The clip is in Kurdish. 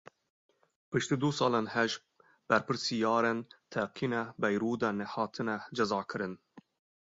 Piştî du salan hêj berpirsyarên teqîna Beyrudê nehatine cezakirin.